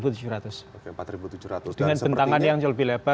dengan bentangan yang lebih lebar